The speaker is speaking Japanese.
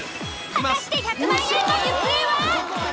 果たして１００万円の行方は！？